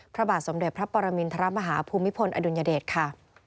พระบาทสมเด็จพระปรมินทรมาฮาภูมิพลอดุลยเดชค่ะ